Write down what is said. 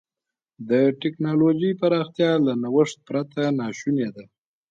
د ټکنالوجۍ پراختیا له نوښت پرته ناشونې ده.